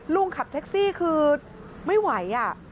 ขับแท็กซี่คือไม่ไหว